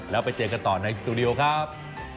แล้วไปเจอกันต่อในสตูดิโอครับ